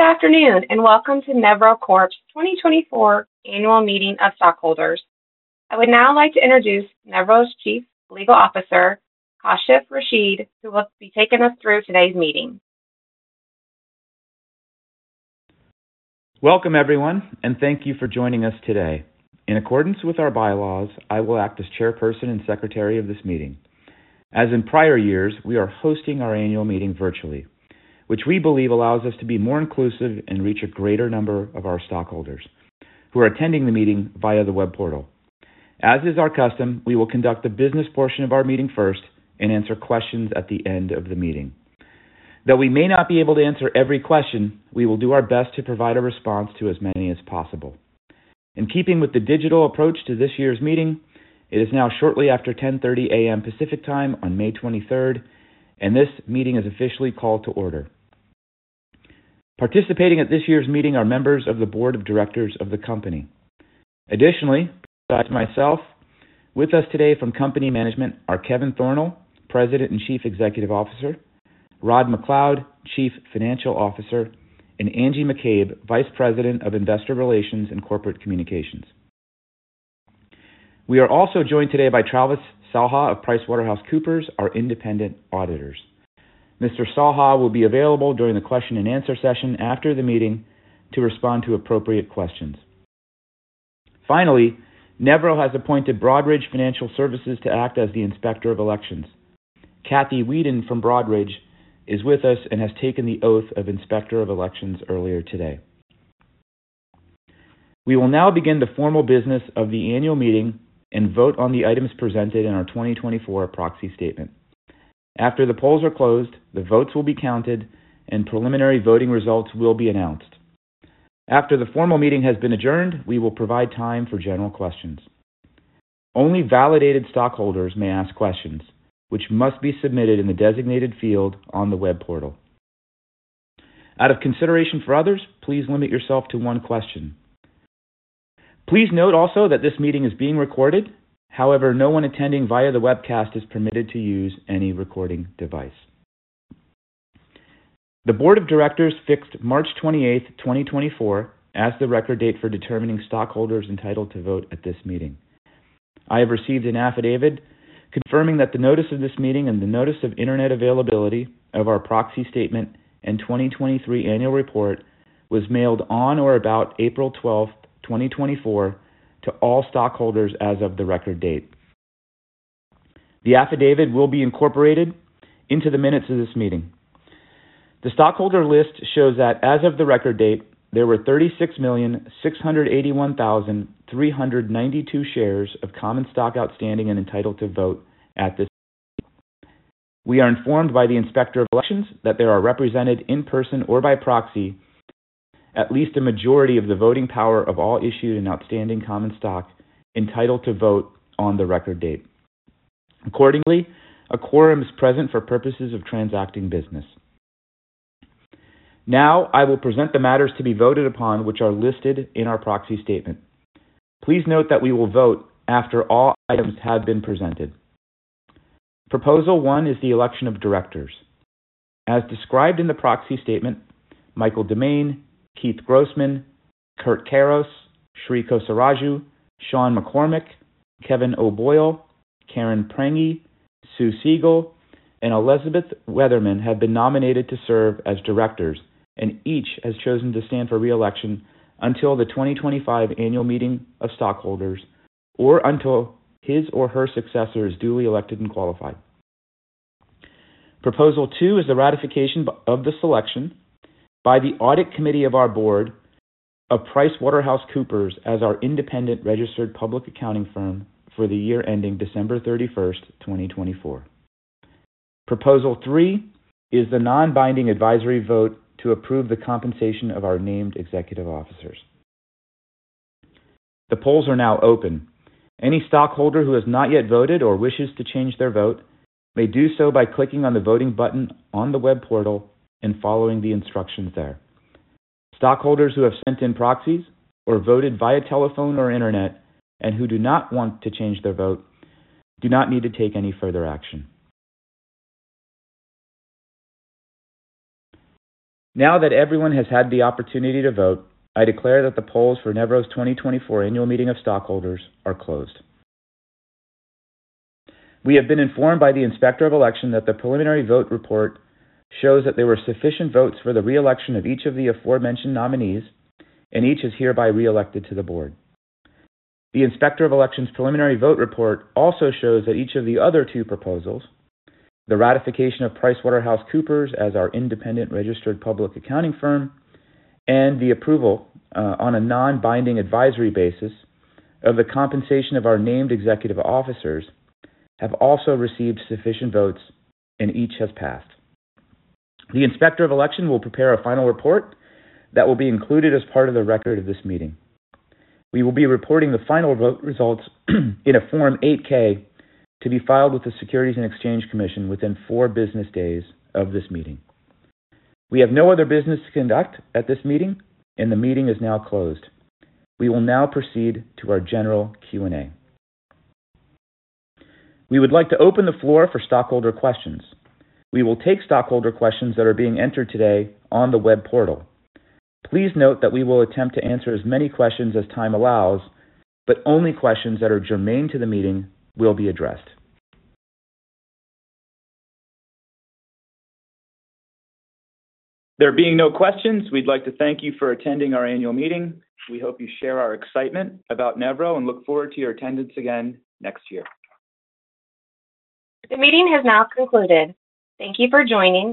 Good afternoon, and welcome to Nevro Corp's 2024 Annual Meeting of Stockholders. I would now like to introduce Nevro's Chief Legal Officer, Kashif Rashid, who will be taking us through today's meeting. Welcome, everyone, and thank you for joining us today. In accordance with our bylaws, I will act as chairperson and secretary of this meeting. As in prior years, we are hosting our annual meeting virtually, which we believe allows us to be more inclusive and reach a greater number of our stockholders who are attending the meeting via the web portal. As is our custom, we will conduct the business portion of our meeting first and answer questions at the end of the meeting. Though we may not be able to answer every question, we will do our best to provide a response to as many as possible. In keeping with the digital approach to this year's meeting, it is now shortly after 10:30 A.M. Pacific Time on May 23rd, and this meeting is officially called to order. Participating at this year's meeting are members of the Board of Directors of the company. Additionally, besides myself, with us today from company management are Kevin Thornal, President and Chief Executive Officer, Rod MacLeod, Chief Financial Officer, and Angie McCabe, Vice President of Investor Relations and Corporate Communications. We are also joined today by Travis Salha of PricewaterhouseCoopers, our independent auditors. Mr. Salha will be available during the question and answer session after the meeting to respond to appropriate questions. Finally, Nevro has appointed Broadridge Financial Solutions to act as the Inspector of Elections. Cathy Weeden from Broadridge is with us and has taken the oath of Inspector of Elections earlier today. We will now begin the formal business of the annual meeting and vote on the items presented in our 2024 proxy statement. After the polls are closed, the votes will be counted and preliminary voting results will be announced. After the formal meeting has been adjourned, we will provide time for general questions. Only validated stockholders may ask questions, which must be submitted in the designated field on the web portal. Out of consideration for others, please limit yourself to one question. Please note also that this meeting is being recorded. However, no one attending via the webcast is permitted to use any recording device. The Board of Directors fixed March 28, 2024, as the Record Date for determining stockholders entitled to vote at this meeting. I have received an Affidavit confirming that the notice of this meeting and the notice of internet availability of our Proxy Statement and 2023 Annual Report was mailed on or about April 12, 2024, to all stockholders as of the Record Date. The affidavit will be incorporated into the minutes of this meeting. The stockholder list shows that as of the Record Date, there were 36,681,392 shares of Common Stock outstanding and entitled to vote at this meeting. We are informed by the Inspector of Elections that there are represented in person or by proxy, at least a majority of the voting power of all issued and outstanding Common Stock entitled to vote on the Record Date. Accordingly, a quorum is present for purposes of transacting business. Now, I will present the matters to be voted upon, which are listed in our Proxy Statement. Please note that we will vote after all items have been presented. Proposal one is the election of directors. As described in the proxy statement, Michael DeMane, Keith Grossman, Kirt Karros, Sri Kosaraju, Shawn McCormick, Kevin O'Boyle, Karen Prange, Sue Siegel, and Elizabeth Weatherman have been nominated to serve as directors, and each has chosen to stand for re-election until the 2025 Annual Meeting of Stockholders or until his or her successor is duly elected and qualified. Proposal 2 is the ratification of the selection by the Audit Committee of our board of PricewaterhouseCoopers as our independent registered public accounting firm for the year ending December 31st, 2024. Proposal 3 is the non-binding advisory vote to approve the compensation of our named executive officers. The polls are now open. Any stockholder who has not yet voted or wishes to change their vote may do so by clicking on the voting button on the web portal and following the instructions there. Stockholders who have sent in proxies or voted via telephone or internet, and who do not want to change their vote, do not need to take any further action. Now that everyone has had the opportunity to vote, I declare that the polls for Nevro's 2024 Annual Meeting of Stockholders are closed. We have been informed by the Inspector of Elections that the preliminary vote report shows that there were sufficient votes for the re-election of each of the aforementioned nominees, and each is hereby re-elected to the board. The Inspector of Elections preliminary vote report also shows that each of the other two proposals, the ratification of PricewaterhouseCoopers as our independent registered public accounting firm, and the approval on a non-binding advisory basis of the compensation of our named executive officers, have also received sufficient votes and each has passed. The Inspector of Election will prepare a final report that will be included as part of the record of this meeting. We will be reporting the final vote results in a Form 8-K, to be filed with the Securities and Exchange Commission within four business days of this meeting. We have no other business to conduct at this meeting, and the meeting is now closed. We will now proceed to our general Q&A. We would like to open the floor for stockholder questions. We will take stockholder questions that are being entered today on the web portal. Please note that we will attempt to answer as many questions as time allows, but only questions that are germane to the meeting will be addressed. There being no questions, we'd like to thank you for attending our annual meeting. We hope you share our excitement about Nevro and look forward to your attendance again next year. The meeting has now concluded. Thank you for joining.